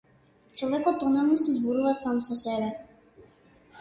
Човекот онаму си зборува сам со себе.